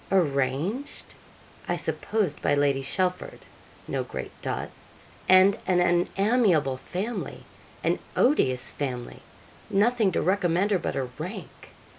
arranged, I suppose, by Lady Chelford no great dot and an unamiable family an odious family nothing to recommend her but her rank.'